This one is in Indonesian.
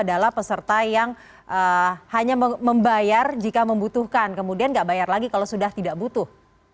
adalah peserta yang hanya membayar jika membutuhkan kemudian nggak bayar lagi kalau sudah tidak butuh